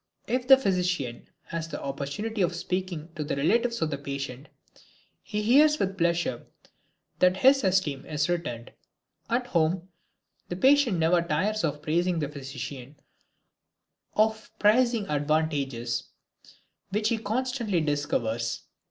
If the physician has the opportunity of speaking to the relatives of the patient he hears with pleasure that this esteem is returned. At home the patient never tires of praising the physician, of prizing advantages which he constantly discovers.